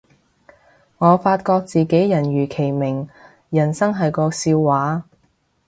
我發覺自己人如其名，人生係個笑話